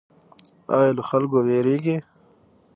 ایا له خلکو ویریږئ؟